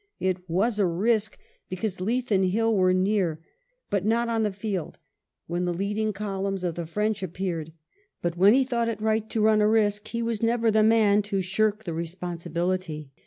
It was a risk, because Leith and Hill were near, but not on the field, when the leading columns of the French appeared ; but when he thought it right to run a risk, he was never the man to shirk the respon sibility.